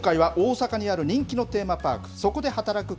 今回は大阪にある人気のテーマパーク